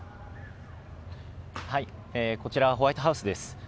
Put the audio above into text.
こちら、ホワイトハウスです。